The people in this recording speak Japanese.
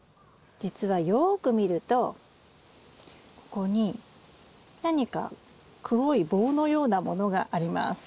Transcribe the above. じつはよく見るとここに何か黒い棒のようなものがあります。